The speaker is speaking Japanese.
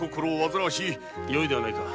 よいではないか。